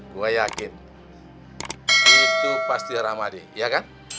gue yakin itu pasti rahmadi iya kan